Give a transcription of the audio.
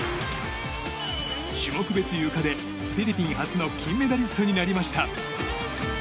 種目別ゆかでフィリピン初の金メダリストになりました。